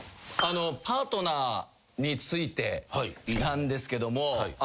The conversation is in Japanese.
パートナーについてなんですけども。